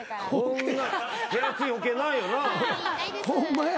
ホンマや。